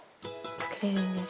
作れるんです。